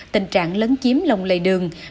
tình trạng lớn chiếm lồng lầy đường